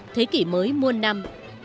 thế kỷ mới muôn năm